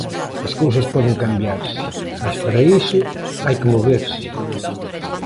As cousas poden cambiarse, mais para iso hai que moverse.